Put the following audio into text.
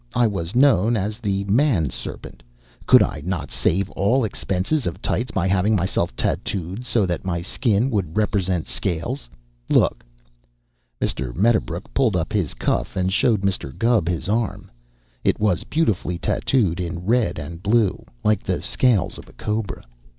I was known as the Man Serpent. Could I not save all expense of tights by having myself tattooed so that my skin would represent scales? Look." Mr. Medderbrook pulled up his cuff and showed Mr. Gubb his arm. It was beautifully tattooed in red and blue, like the scales of a cobra.